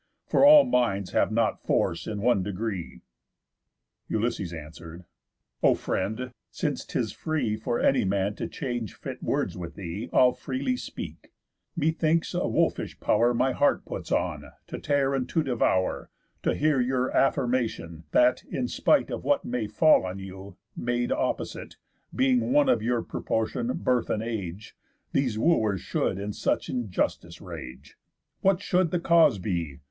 For all minds have not force in one degree." Ulysses answer'd: "O friend, since 'tis free For any man to change fit words with thee, I'll freely speak: Methinks, a wolfish pow'r My heart puts on to tear and to devour, To hear your affirmation, that, in spite Of what may fall on you, made opposite, Being one of your proportion, birth, and age, These Wooers should in such injustice rage. What should the cause be?